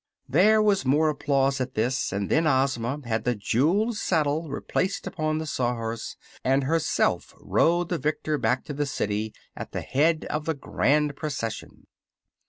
There was more applause at this, and then Ozma had the jewelled saddle replaced upon the Sawhorse and herself rode the victor back to the city at the head of the grand procession.